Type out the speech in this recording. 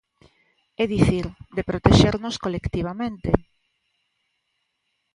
É dicir, de protexernos colectivamente.